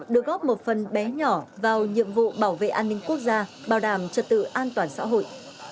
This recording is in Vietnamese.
được góp một phần bé nhỏ vào nhiệm vụ bảo vệ an ninh quốc gia bảo đảm trật tự an toàn xã hội